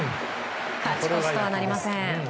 勝ち越しとはなりません。